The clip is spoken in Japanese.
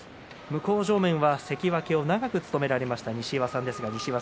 向正面は関脇を長く務められました西岩さんです。